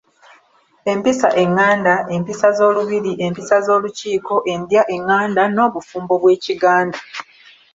Empisa enganda, empisa z'olubiri, empisa z'olukiiko, endya enganda n'obufumbo bw'ekiganda.